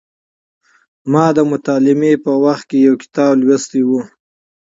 ما د متعلمۍ په وخت کې یو کتاب لوستی و.